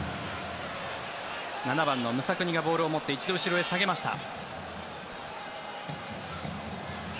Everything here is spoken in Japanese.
７番のムサクニがボールを持って一度後ろに下げました。